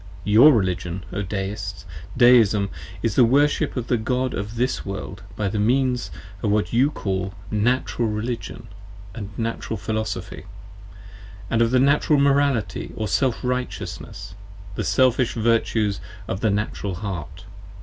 Your Religion, O Deists! Deism, is the Worship of the God of this World by the means of what you call 25 Natural Religion and Natural Philosophy, and of Natural Morality or Self Righteousness, the Selfish Virtues of the Natural Heart.